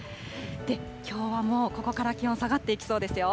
きょうはもう、ここから気温、下がっていきそうですよ。